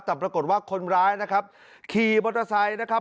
แต่ปรากฏว่าคนร้ายนะครับขี่มอเตอร์ไซค์นะครับ